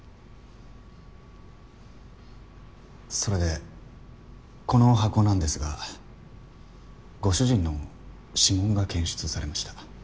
それでこの箱なんですがご主人の指紋が検出されました。